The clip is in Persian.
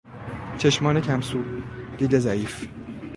چشمان کم سو، دید ضعیف